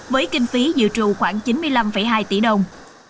với kinh phí dự trù khoảng chín mươi năm hai tỷ đồng